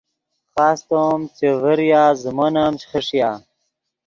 خاستو ام چے ڤریا زیمون ام چے خݰیا